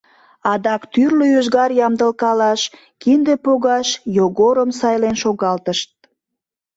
Адак тӱрлӧ ӱзгар ямдылкалаш, кинде погаш Йогорым сайлен шогалтышт.